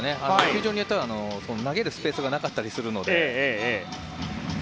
球場によっては投げるスペースがなかったりするので。